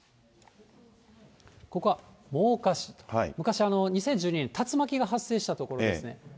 ここ、真岡市、昔、２０１２年、竜巻が発生した所ですね。